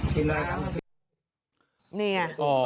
นี่ไง